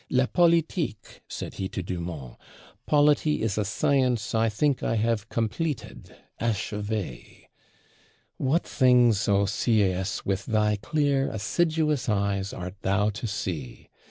"La Politique", said he to Dumont, "polity is a science I think I have completed (achevée)." What things, O Sieyès, with thy clear assiduous eyes, art thou to see!